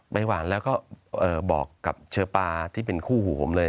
หวานแล้วก็บอกกับเชอปาที่เป็นคู่หูผมเลย